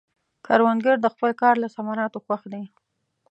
کروندګر د خپل کار له ثمراتو خوښ دی